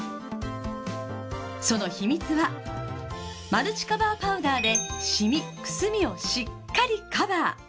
その秘密はマルチカバーパウダーでシミくすみをしっかりカバー。